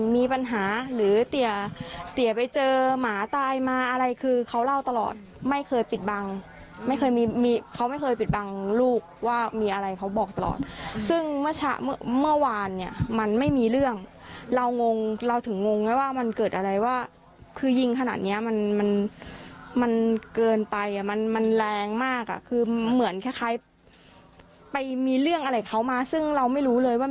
มีปัญหาหรือเตี๋ยเตี๋ยไปเจอหมาตายมาอะไรคือเขาเล่าตลอดไม่เคยปิดบังไม่เคยมีมีเขาไม่เคยปิดบังลูกว่ามีอะไรเขาบอกตลอดซึ่งเมื่อเมื่อวานเนี่ยมันไม่มีเรื่องเรางงเราถึงงงไหมว่ามันเกิดอะไรว่าคือยิงขนาดเนี้ยมันมันเกินไปอ่ะมันมันแรงมากอ่ะคือเหมือนคล้ายคล้ายไปมีเรื่องอะไรเขามาซึ่งเราไม่รู้เลยว่า